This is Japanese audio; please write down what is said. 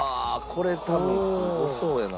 これ多分すごそうやな。